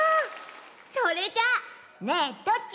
それじゃ「ねえどっち？」